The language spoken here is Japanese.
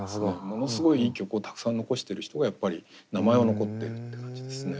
ものすごいいい曲をたくさん残してる人がやっぱり名前は残ってるって感じですね。